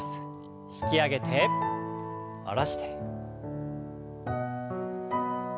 引き上げて下ろして。